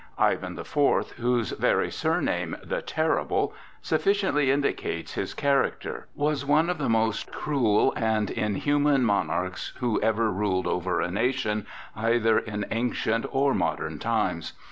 Ivan the Fourth, whose very surname, "the Terrible," sufficiently indicates his character, was one of the most cruel and inhuman monarchs who ever ruled over a nation, either in ancient or modern times.